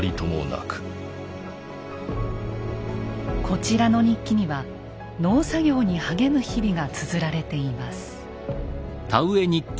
こちらの日記には農作業に励む日々がつづられています。